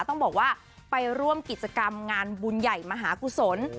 ต้องบอกว่าไปร่วมกิจกรรมงานบุญใหญ่มหากุศล